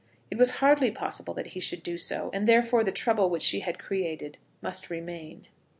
It was hardly possible that he should do so, and therefore the trouble which she had created must remain.